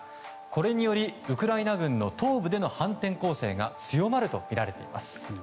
これにより、ウクライナ軍の東部での反転攻勢が強まるとみられています。